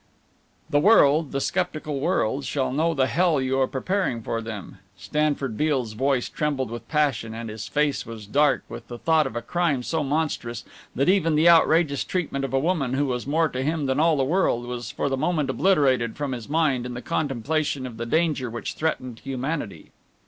"The world, the sceptical world, shall know the hell you are preparing for them." Stanford Beale's voice trembled with passion and his face was dark with the thought of a crime so monstrous that even the outrageous treatment of a woman who was more to him than all the world was for the moment obliterated from his mind in the contemplation of the danger which threatened humanity.